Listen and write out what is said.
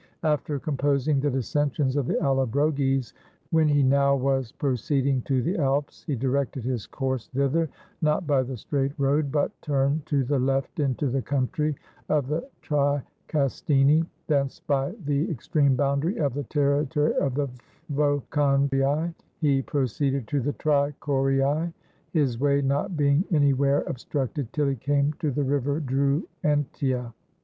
After composing the dissensions of the AUobroges, when he 339 ROME now was proceeding to the Alps, he directed his course thither, not by the straight road, but turned to the left into the countr}^ of the Tricastini, thence by the ex treme boundary of the territory of the Vocontii he pro ceeded to the Tricorii; his way not being anywhere ob structed till he came to the river Druentia.